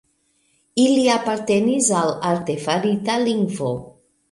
Ili apartenis al artefarita lingvo.